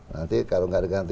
nanti kalau tidak diganti